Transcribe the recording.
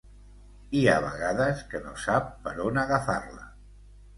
Hi ha vegades que no sap per on agafar-la.